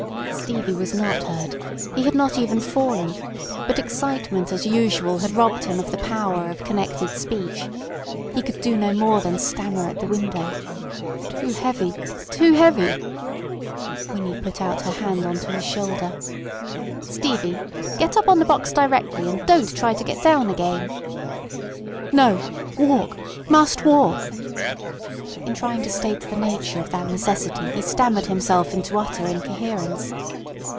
Stevie was not hurt, he had not even fallen, but excitement as usual had robbed him of the power of connected speech. He could do no more than stammer at the window. "Too heavy. Too heavy." Winnie put out her hand on to his shoulder. "Stevie! Get up on the box directly, and don't try to get down again." "No. No. Walk. Must walk." In trying to state the nature of that necessity he stammered himself into utter incoherence.